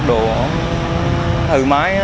đồ thư máy